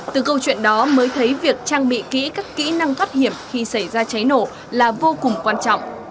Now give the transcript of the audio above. từ câu chuyện đó mới thấy việc trang bị kỹ các kỹ năng thoát hiểm khi xảy ra cháy nổ là vô cùng quan trọng